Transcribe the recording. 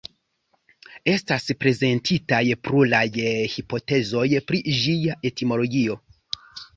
Estas prezentitaj pluraj hipotezoj pri ĝia etimologio.